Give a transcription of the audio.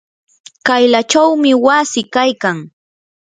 kaylachawmi wasi kaykan.